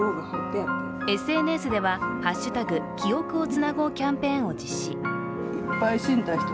ＳＮＳでは「＃きおくをつなごう」キャンペーンを実施。